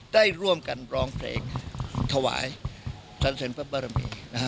ได้ร่วมกันร้องเพลงถวายสันพระบรมี